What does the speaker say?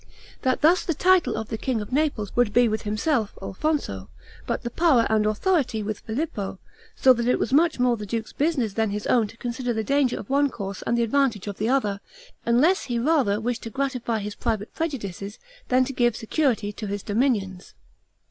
That thus the title of king of king of Naples would be with himself (Alfonso), but the power and authority with Filippo; so that it was much more the duke's business than his own to consider the danger of one course and the advantage of the other; unless he rather wished to gratify his private prejudices than to give security to his dominions.